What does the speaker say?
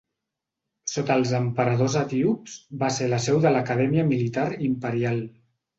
Sota els emperadors etíops va ser la seu de l'Acadèmia militar imperial.